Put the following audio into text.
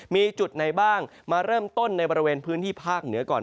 มีจุดไหนบ้างมาเริ่มต้นในบริเวณพื้นที่ภาคเหนือก่อน